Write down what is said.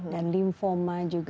dan linfoma juga